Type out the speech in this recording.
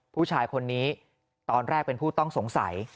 ผู้ชายคนนี้ตอนแรกเป็นผู้ต้องสงสัย